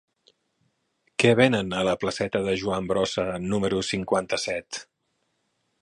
Què venen a la placeta de Joan Brossa número cinquanta-set?